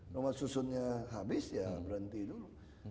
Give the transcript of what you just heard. rumah susunnya habis ya berhenti dulu